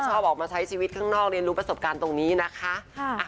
ชอบออกมาใช้ชีวิตข้างนอกเรียนรู้ประสบการณ์ตรงนี้นะคะ